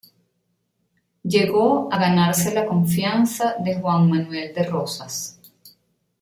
Llegó a ganarse la confianza de Juan Manuel de Rosas.